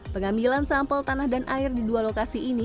pengambilan sampel tanah dan air di dua lokasi ini